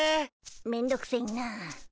めんどくせいな。